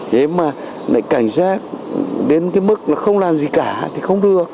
thế mà cảnh giác đến cái mức nó không làm gì cả thì không được